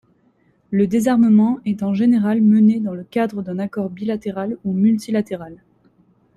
Le désarmement est en général mené dans le cadre d'un accord bilatéral ou multilatéral.